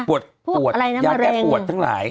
พวกอะไรน้ำมะเร็งยาแก้ปวดทั้งหลาย